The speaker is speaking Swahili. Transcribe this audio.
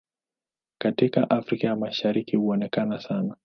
Katika Afrika ya Mashariki huonekana sana.